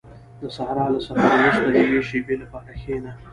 • د صحرا له سفر وروسته د یوې شېبې لپاره کښېنه.